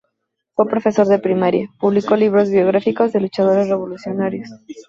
Fue profesor de primaria, publicó libros biográficos de luchadores revolucionarios.